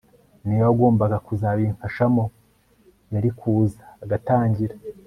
niwe wagombaga kuzabimfashamo yari kuza agatangira